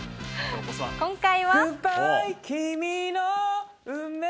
今回は。